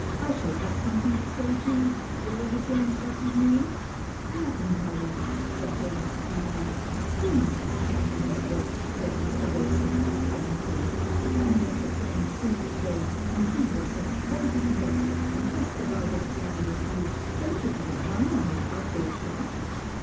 " I shall have something to say to — what is, your instructor's name? "" Mackintyre," said Datus feebly. " He must be scamping his work," said Mr. Waysmith, disdainfully. " I met your friend True to day, and he looks as white as milk, and just about as flabby as you. Don't you ever run on that out door track